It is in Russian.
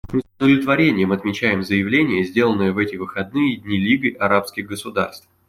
Мы с удовлетворением отмечаем заявление, сделанное в эти выходные дни Лигой арабских государств.